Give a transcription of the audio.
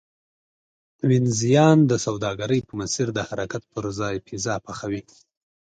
وینزیان د سوداګرۍ په مسیر د حرکت پرځای پیزا پخوي